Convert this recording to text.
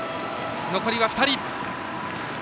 残りは２人。